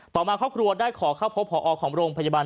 มาครอบครัวได้ขอเข้าพบพอของโรงพยาบาล